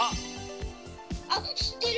あっしってる！